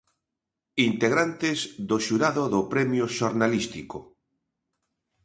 Integrantes do xurado do premio xornalístico.